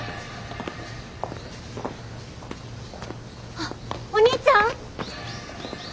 あっお兄ちゃん？